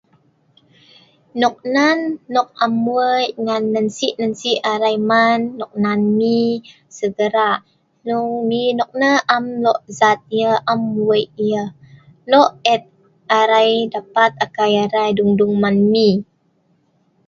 Noknan nok am wei' ngan nan'si nan'si arai man noknan mee segera. Hnong mee noknah am loe' zat yeh am wei yeh. Loe' eet arai dapat akai arai dung dung man mee